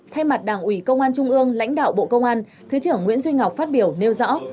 thay mặt đảng ủy công an trung ương lãnh đạo bộ công an thứ trưởng nguyễn duy ngọc phát biểu nêu rõ